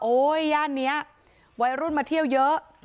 ย่านนี้วัยรุ่นมาเที่ยวเยอะ